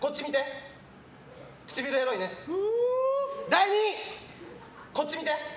第２位、こっち見て。